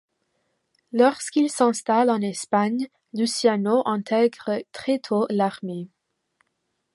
Lorsqu'ils s'installent en Espagne, Luciano intègre très tôt l'Armée.